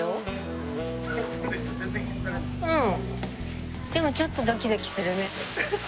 うん。